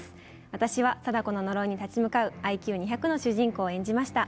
私は貞子の呪いに立ち向かうＩＱ２００の主人公を演じました